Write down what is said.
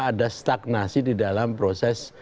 ada stagnasi di dalam proses